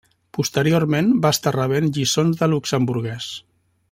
Posteriorment, va estar rebent lliçons de luxemburguès.